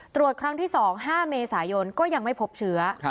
ตรวจครั้งที่๒๕เมษายนก็ยังไม่พบเชื้อ